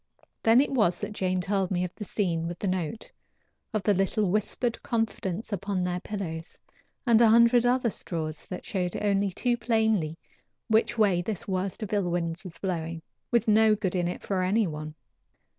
Then it was that Jane told me of the scene with the note, of the little whispered confidence upon their pillows, and a hundred other straws that showed only too plainly which way this worst of ill winds was blowing with no good in it for any one.